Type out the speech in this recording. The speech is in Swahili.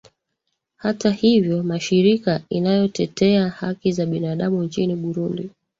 hata hivyo mashirika inayotetea haki za binadamu nchini burundi